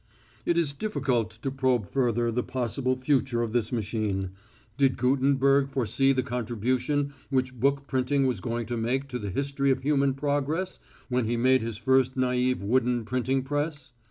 "It is difficult to probe further the possible future of this machine. Did Gutenberg foresee the contribution which book printing was going to make to the history of human progress when he made his first naïve wooden printing press?